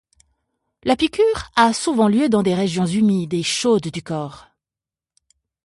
La piqûre a souvent lieu dans des régions humides et chaudes du corps.